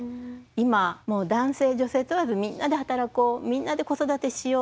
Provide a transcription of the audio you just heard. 今男性女性問わずみんなで働こうみんなで子育てしよう